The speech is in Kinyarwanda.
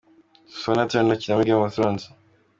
Sophie Turner akina muri Game of Thrones.